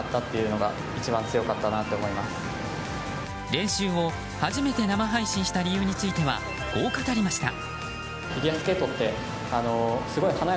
練習を初めて生配信した理由についてはこう語りました。